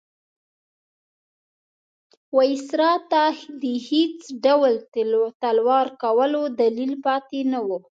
وایسرا ته د هېڅ ډول تلوار کولو دلیل پاتې نه وو.